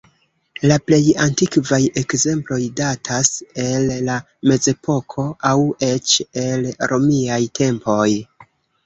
La plej antikvaj ekzemploj datas el la Mezepoko, aŭ eĉ el romiaj tempoj.